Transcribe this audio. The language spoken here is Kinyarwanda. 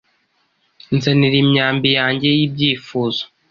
Nzanira imyambi yanjye y'ibyifuzo!